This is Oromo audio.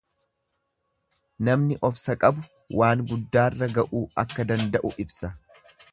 Namni obsa qabu waan guddaarra ga'uu akka danda'u ibsa